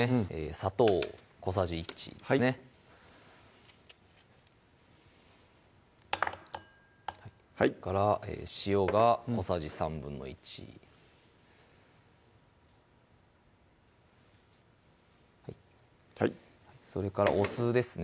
砂糖を小さじ１ですねはいそれから塩が小さじ１／３はいそれからお酢ですね